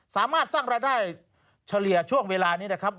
สามารถสร้างรายได้เฉลี่ยช่วงเวลานี้นะครับ